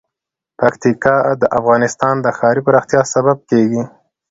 پکتیکا د افغانستان د ښاري پراختیا سبب کېږي.